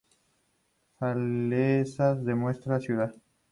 Salesas de nuestra ciudad.